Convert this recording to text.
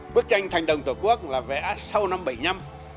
bức tranh thành đồng tổ quốc là vẽ sau năm một nghìn chín trăm bảy mươi năm